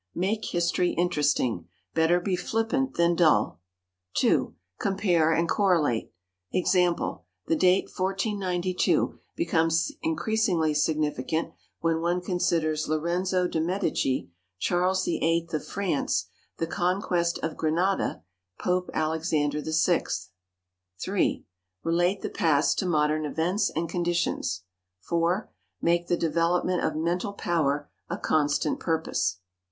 Make history interesting "better be flippant than dull." 2. Compare and correlate. Example the date 1492 becomes increasingly significant when one considers Lorenzo de Medici, Charles VIII of France, the conquest of Granada, Pope Alexander VI. 3. Relate the past to modern events and conditions. 4. Make the development of mental power a constant purpose.